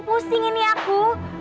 pusing ini aku